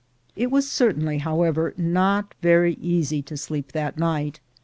It was certainly, however, not very easy to sleep that night.